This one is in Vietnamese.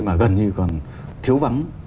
mà gần như còn thiếu vắng